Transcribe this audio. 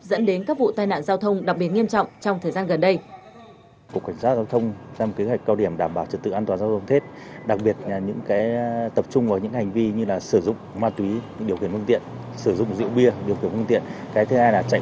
dẫn đến các vụ tai nạn giao thông đặc biệt nghiêm trọng trong thời gian gần đây